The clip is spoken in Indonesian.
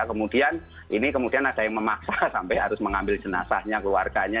kemudian ini kemudian ada yang memaksa sampai harus mengambil jenazahnya keluarganya